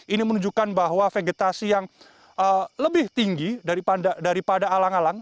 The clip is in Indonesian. ini menunjukkan bahwa vegetasi yang lebih tinggi daripada alang alang